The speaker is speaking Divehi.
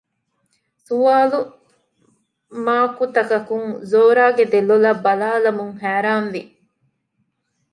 ސުވާލު މާކުތަކަކުން ޒޯރާގެ ދެލޮލަށް ބަލާލަމުން ހައިރާން ވި